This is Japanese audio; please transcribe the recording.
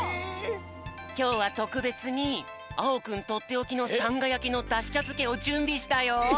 きょうはとくべつにあおくんとっておきのさんがやきのダシちゃづけをじゅんびしたよ。